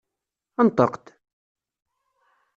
Nṭeq-d!